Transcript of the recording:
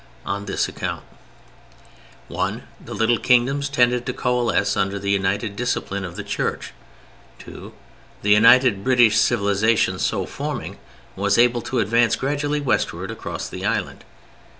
On this account: (1) The little kingdoms tended to coalesce under the united discipline of the Church. (2) The united British civilization so forming was able to advance gradually westward across the island.